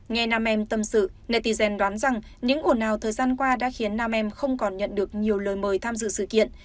nghe nam em tâm sự netigen đoán rằng những ồn ào thời gian qua đã khiến nam em không còn nhận được nhiều lời mời tham dự sự kiện